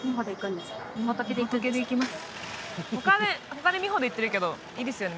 他でみほでいってるけどいいですよね？